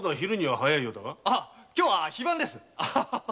今日は非番です。